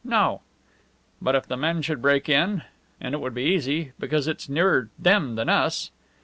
No!" "But if the men should break in? And it would be easy, because it is nearer them than us."